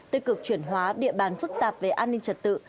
tự cực chuyển hóa địa bàn phức tạp về an ninh trật tự